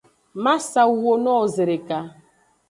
Ma sa wuwo no wo zedeka.